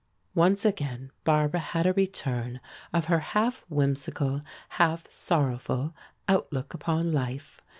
Once again Barbara had a return of her half whimsical, half sorrowful outlook upon life.